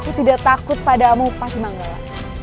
aku tidak takut padamu pak simanggola